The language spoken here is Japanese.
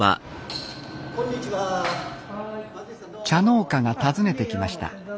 茶農家が訪ねてきました